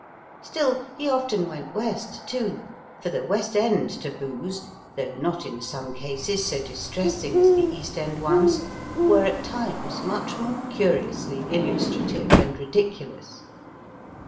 Still, he often went west, too; for the West End taboos, though not in some cases so distressing as the East End ones, were at times much more curiously illustrative and ridiculous.